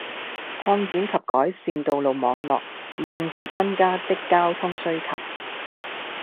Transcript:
擴展及改善道路網絡，以應付增加的交通需求